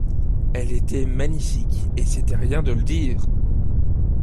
Elle était magnifique et c’était rien de le dire!